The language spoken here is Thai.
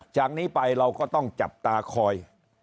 จากนี้ไปเราก็ต้องจับตาคอย